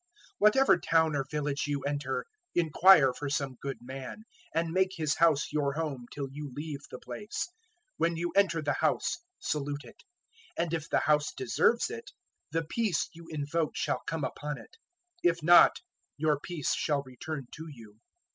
010:011 "Whatever town or village you enter, inquire for some good man; and make his house your home till you leave the place. 010:012 When you enter the house, salute it; 010:013 and if the house deserves it, the peace you invoke shall come upon it. If not, your peace shall return to you.